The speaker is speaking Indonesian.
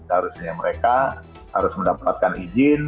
harusnya mereka harus mendapatkan izin